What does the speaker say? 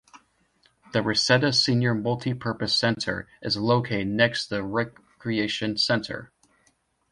The Reseda Senior Multipurpose Center is located next to the Recreation Center.